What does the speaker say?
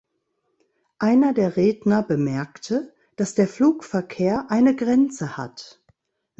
Einer der Redner bemerkte, dass der Flugverkehr eine Grenze hat.